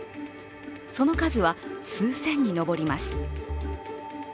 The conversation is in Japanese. その数は数千に上ります。